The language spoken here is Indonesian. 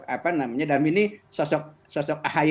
apa namanya dalam ini sosok ahy